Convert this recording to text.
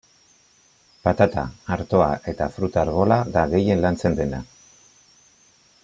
Patata, artoa eta fruta-arbola da gehien lantzen dena.